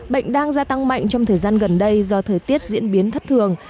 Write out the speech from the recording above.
bệnh đang gia tăng mạnh trong thời gian gần đây do thời tiết diễn biến thất thường